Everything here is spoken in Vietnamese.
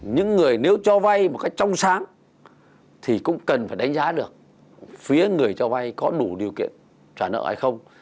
những người nếu cho vay một cách trong sáng thì cũng cần phải đánh giá được phía người cho vay có đủ điều kiện trả nợ hay không